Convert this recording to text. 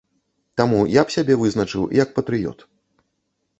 Таму я б сябе вызначыў як патрыёт.